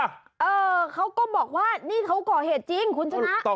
เออเขาก็บอกว่านี่เขาก่อเหตุจริงคุณชนะ